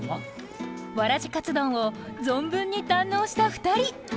わらじかつ丼を存分に堪能した２人。